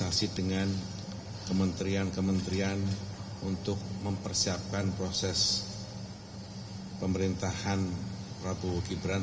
terima kasih dengan kementerian kementerian untuk mempersiapkan proses pemerintahan pratwogi beran